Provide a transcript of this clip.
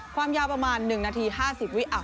ความยาวประมาณ๑นาที๕๐วิ